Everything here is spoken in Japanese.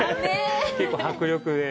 結構迫力で。